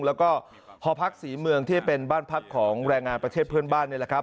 แล้วก็หอพักศรีเมืองที่เป็นบ้านพักของแรงงานประเทศเพื่อนบ้านนี่แหละครับ